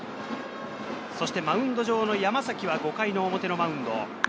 そしてマウンド上の山崎は５回の表のマウンド。